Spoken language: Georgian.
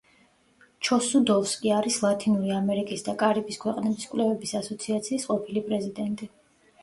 ჩოსუდოვსკი არის ლათინური ამერიკის და კარიბის ქვეყნების კვლევების ასოციაციის ყოფილი პრეზიდენტი.